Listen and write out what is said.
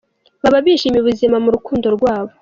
Baba bishimiye ubuzima mu rukundo rwabo.